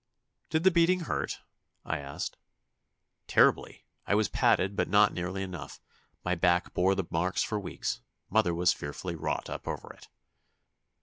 "Did the beating hurt?" I asked. "Terribly. I was padded, but not nearly enough. My back bore the marks for weeks. Mother was fearfully wrought up over it."